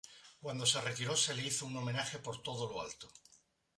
Cuando se retiró se le hizo un homenaje por todo lo alto.